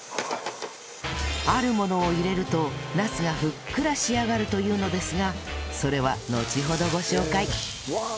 あるものを入れるとナスがふっくら仕上がるというのですがそれはのちほどご紹介